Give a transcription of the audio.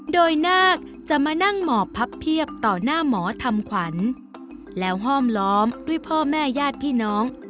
โดยนาคจะมานั่งหมอบพับเพียบต่อหน้าหมอทำขวัญแล้วห้อมล้อมด้วยพ่อแม่ญาติพี่น้อง